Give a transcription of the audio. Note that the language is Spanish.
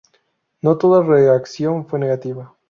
No toda reacción fue negativa.